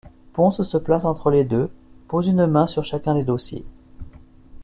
Pons se place entre les deux, pose une main sur chacun des dossiers.